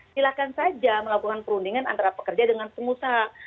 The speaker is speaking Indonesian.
silahkan saja melakukan perundingan antara pekerja dengan pengusaha